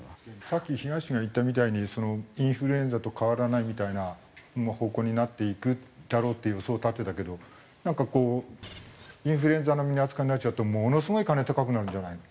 さっき東が言ったみたいにインフルエンザと変わらないみたいな方向になっていくだろうっていう予想を立てたけどなんかこうインフルエンザ並みの扱いになっちゃうとものすごい金高くなるんじゃないの？